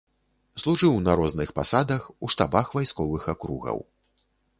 Служыў на розных пасадах у штабах вайсковых акругаў.